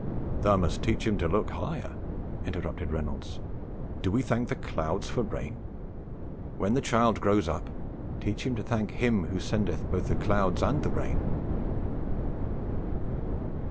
"Thou must teach him to look higher," interrupted Reynolds: "Do we thank the clouds for rain? When the child grows up, teach him to thank Him who sendeth both the clouds and the rain."